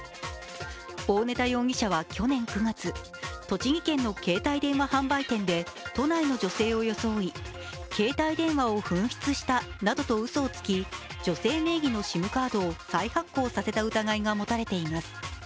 大根田容疑者は居園９月、栃木県の携帯電話販売店で都内の女性を装い携帯電話を紛失したなどとうそをつき女性名義のＳＩＭカードを再発行させた疑いが持たれています。